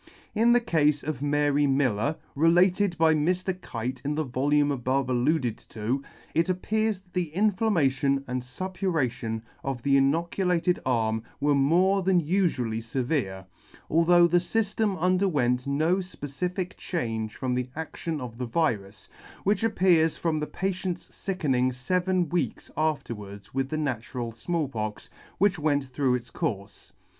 In the cafe of Mary Miller, related by Mr. Kite in the volume above alluded to, it appears that the inflammation and fuppuration of the inoculated arm were more than ufually fevere, although the fyflem under went no fpecific change from the adtion of the virus ; which appears from the patient's fickening feven weeks afterwards with the natural Small Pox, which went through its courfe.